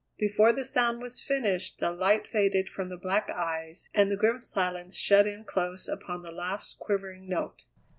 Before the sound was finished the light faded from the black eyes and the grim silence shut in close upon the last quivering note.